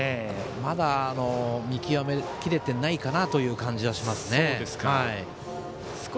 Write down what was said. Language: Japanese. まだ見極め切れていない感じがしますね。